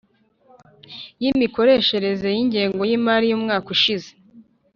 y imikoreshereze y ingengo y imari y umwaka ushize